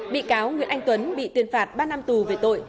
bị cáo nguyễn anh tuấn bị tuyên phạt ba năm tù về tội